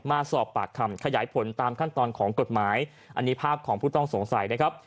มาสอบปากคำขยายผลตามขั้นตอนของกฎหมายอันนี้ภาพของผู้ต้องสงสัยนะครับ